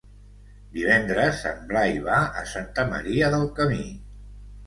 Divendres en Blai va a Santa Maria del Camí.